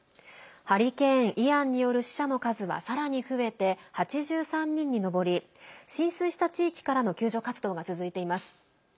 ハリケーン、イアンによる死者の数はさらに増えて８３人に上り浸水した地域からの救助活動が続いています。